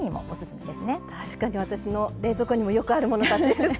確かに私の冷蔵庫にもよくあるものたちです。